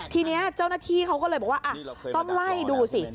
ทีนี้เจ้าหน้าที่เขาก็เลยบอกว่าต้องไล่ดูสิ